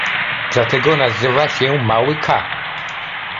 Dlatego nazywa się mały k.